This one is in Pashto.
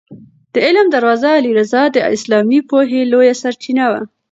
د علم دروازه علي رض د اسلامي پوهې لویه سرچینه وه.